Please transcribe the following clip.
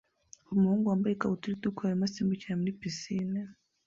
Umuhungu wambaye ikabutura itukura arimo asimbukira muri pisine